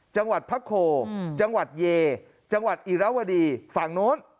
จังหวัดพระโคจังหวัดเยจังหวัดอิราวดีฝั่งโน้น